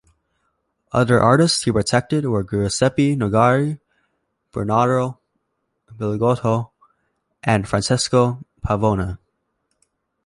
Other artist he protected were Giuseppe Nogari, Bernardo Bellotto, and Francesco Pavona.